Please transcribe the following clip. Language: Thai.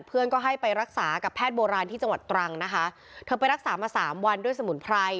เพื่อนก็ให้ไปรักษากับแพทย์โบราณที่จังหวัดตรังนะคะเธอไปรักษามาสามวันด้วยสมุนไพร